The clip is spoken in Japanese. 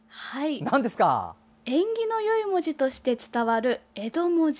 縁起のよい文字として伝わる、江戸文字。